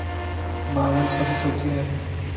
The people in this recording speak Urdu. معاون ثابت ہوتی ہیں